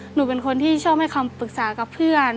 หนูเป็นคนที่ชอบให้คำปรึกษากับเพื่อน